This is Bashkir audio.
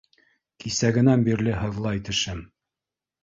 Кисәгенән бирле һыҙлай тешем.